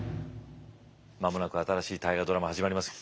間もなく新しい「大河ドラマ」始まりますよ。